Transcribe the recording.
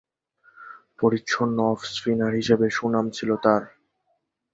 পরিচ্ছন্ন অফ-স্পিনার হিসেবে সুনাম ছিল তার।